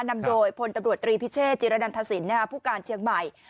นำโดยพลตำรวจตรีพิเชษจิรนันทศิลปผู้การเชียงใหม่